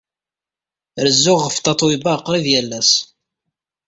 Rezzuɣ ɣef Tatoeba qrib yal ass.